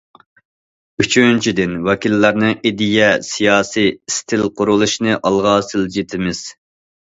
ئۈچىنچىدىن، ۋەكىللەرنىڭ ئىدىيە، سىياسىي، ئىستىل قۇرۇلۇشىنى ئالغا سىلجىتىمىز.